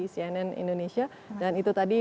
cnn indonesia dan itu tadi